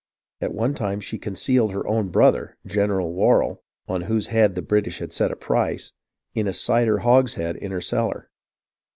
At one time she concealed her own brother. General Warrell (on whose head the British had set a price), in a cider hogshead in her cellar.